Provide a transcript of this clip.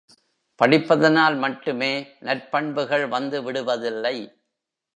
படிப்பதனால் மட்டுமே நற்பண்புகள் வந்து விடுவதில்லை.